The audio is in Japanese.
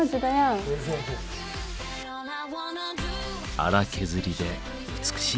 荒削りで美しい。